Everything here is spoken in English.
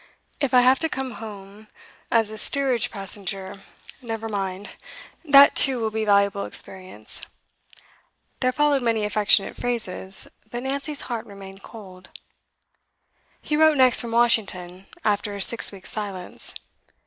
If I have to come home as a steerage passenger, never mind; that, too, will be valuable experience.' There followed many affectionate phrases, but Nancy's heart remained cold. He wrote next from Washington, after six weeks' silence.